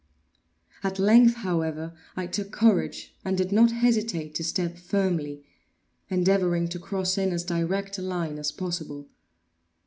At length, however, I took courage, and did not hesitate to step firmly; endeavoring to cross in as direct a line as possible.